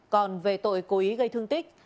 còn về tội cố ý gây thương tích